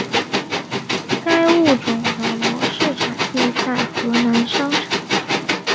该物种的模式产地在河南商城。